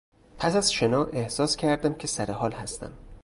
پس از شنا احساس کردم که سرحال هستم.